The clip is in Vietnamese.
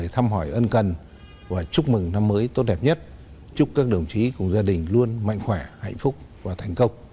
thăm hỏi ân cần và chúc mừng năm mới tốt đẹp nhất chúc các đồng chí cùng gia đình luôn mạnh khỏe hạnh phúc và thành công